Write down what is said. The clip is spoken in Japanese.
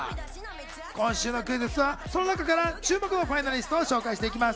今週のクイズッスはその中から注目のファイナリストを紹介していきます。